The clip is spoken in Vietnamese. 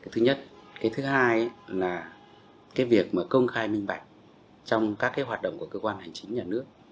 thứ hai là việc công khai minh bạch trong các hoạt động của cơ quan hành chính nhà nước